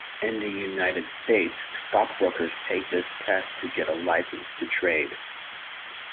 In the United States, stockbrokers take this test to get a license to trade.